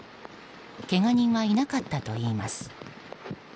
けが人はいなかったといいます。